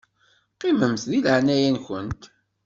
Qqimemt di leɛnaya-nkent.